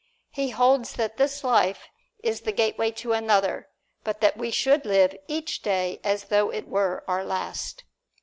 He holds that this life is the gateway to another, but that we should live each day as though it were our last.